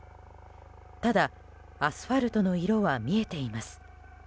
ただ、アスファルトの色は見えています。